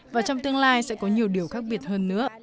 và trong tương lai sẽ có nhiều điều khác biệt hơn nữa